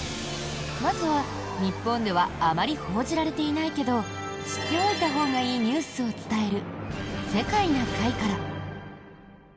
まずは、日本ではあまり報じられていないけど知っておいたほうがいいニュースを伝える「世界な会」から。